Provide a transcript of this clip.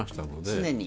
常に。